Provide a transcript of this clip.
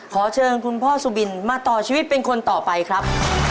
ขอเชิญคุณพ่อสุบินมาต่อชีวิตเป็นคนต่อไปครับ